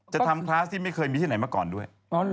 จะทำคลาสที่ไม่เคยมีที่ไหนมาก่อนด้วย